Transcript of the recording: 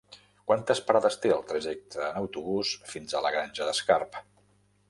Quantes parades té el trajecte en autobús fins a la Granja d'Escarp?